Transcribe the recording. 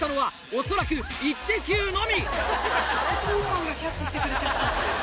お父さんがキャッチしてくれちゃった。